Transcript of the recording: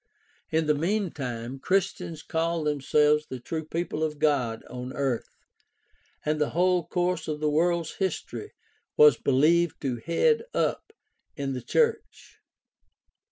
In the meantime Christians called themselves the true people of God on earth, and the whole course of the world's history was believed to head up in the church.